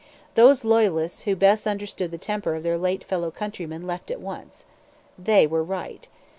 Those Loyalists who best understood the temper of their late fellow countrymen left at once. They were right.